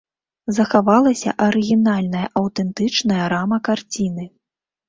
Захавалася арыгінальная аўтэнтычная рама карціны.